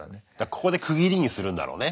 ここで区切りにするんだろうね。